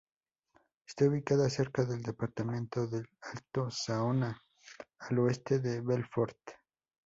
Está ubicada cerca del departamento de Alto Saona, al oeste de Belfort.